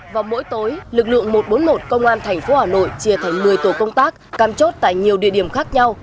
vào mỗi tối lực lượng một trăm bốn mươi một công an tp hà nội chia thành một mươi tổ công tác cam chốt tại nhiều địa điểm khác nhau